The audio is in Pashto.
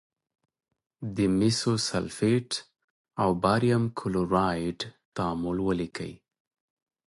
د مسو سلفیټ او باریم کلورایډ تعامل ولیکئ.